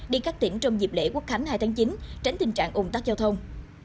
đi các tiện trong dịp lễ quốc khánh hai tháng chín tránh tình trạng ủng tắc giao thông